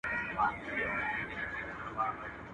د وريجو اوډه خورا مشهوره ده.